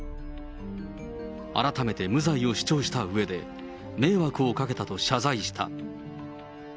改めて無罪を主張したうえで、迷惑をかけたと謝罪した。